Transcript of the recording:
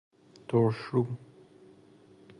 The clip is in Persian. ترشرو